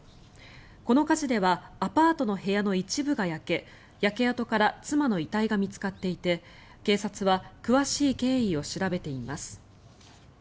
この火事ではアパートの部屋の一部が焼け焼け跡から妻の遺体が見つかっていて警察は詳しい経緯を調べています。